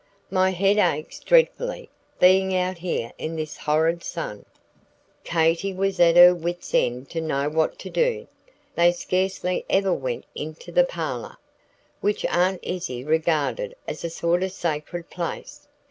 My head aches dreadfully, being out here in this horrid sun." Katy was at her wit's end to know what to do. They scarcely ever went into the parlor, which Aunt Izzie regarded as a sort of sacred place.